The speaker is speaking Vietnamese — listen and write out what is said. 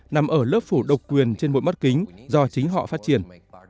nằm ở lớp phủ độc quyền trên mỗi mắt kính do chính họ phát triển